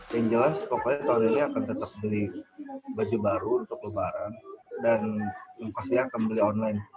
yang jelas pokoknya tahun ini akan tetap beli baju baru untuk lebaran dan yang pasti akan beli online